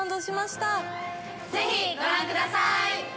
ぜひご覧ください！